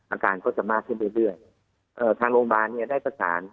อาการก็จะมากขึ้นเรื่อยเรื่อยเอ่อทางโรงพยาบาลเนี่ยได้ประสาน